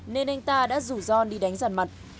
nên anh ta đã rủ john đi đánh giản mặt